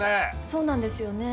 そうなんですよね。